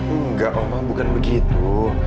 enggak oma bukan begitu